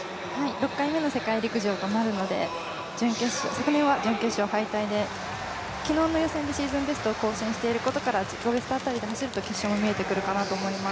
６回目の世界陸上となるので昨年は準決勝敗退で昨日の予選でシーズンベストを更新していることから自己ベスト辺りで走ると決勝も見えてくると思います。